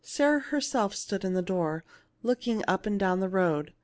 Sarah herself stood in the door, looking up and down the road.